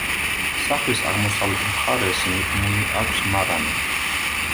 სახლის აღმოსავლეთ მხარეს მიდგმული აქვს მარანი.